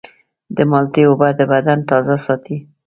د مالټې اوبه د بدن تازه ساتي.